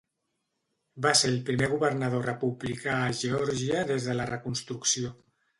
Va ser el primer governador republicà a Geòrgia des de la Reconstrucció.